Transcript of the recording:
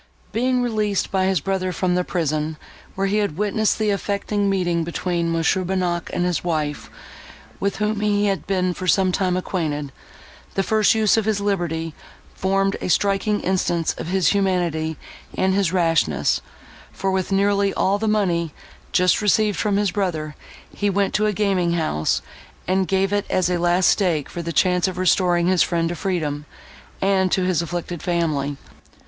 Being released by his brother from the prison, where he had witnessed the affecting meeting between Mons. Bonnac and his wife, with whom he had been for some time acquainted, the first use of his liberty formed a striking instance of his humanity and his rashness; for with nearly all the money, just received from his brother, he went to a gaming house, and gave it as a last stake for the chance of restoring his friend to freedom, and to his afflicted family.